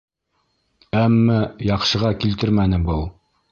Әммә яҡшыға килтермәне был.